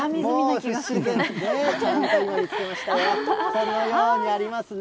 このようにありますね。